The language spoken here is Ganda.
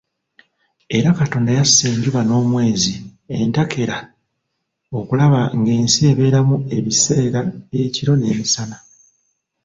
Era Katonda yassa enjuba n'omwezi entakera okulaba ng'ensi ebeeramu ebiseera by'ekiro n'emisana.